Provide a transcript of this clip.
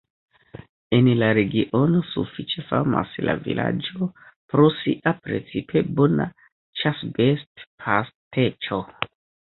En la regiono sufiĉe famas la vilaĝo pro sia precipe bona ĉasbest-pasteĉo.